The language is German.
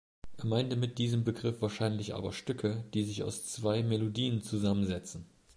Er meinte mit diesem Begriff wahrscheinlich aber Stücke, die sich aus zwei Melodien zusammensetzen.